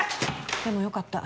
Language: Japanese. でもよかった。